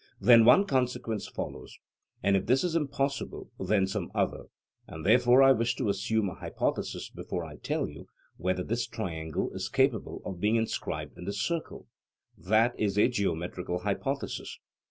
then one consequence follows, and if this is impossible then some other; and therefore I wish to assume a hypothesis before I tell you whether this triangle is capable of being inscribed in the circle': that is a geometrical hypothesis.